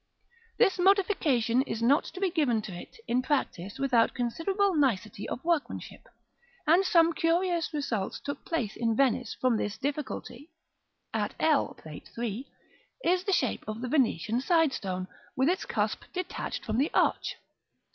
This modification is not to be given to it in practice without considerable nicety of workmanship; and some curious results took place in Venice from this difficulty. At l (Plate III.) is the shape of the Venetian side stone, with its cusp detached from the arch.